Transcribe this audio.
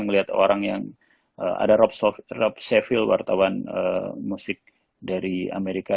melihat orang yang ada rob seville wartawan musik dari amerika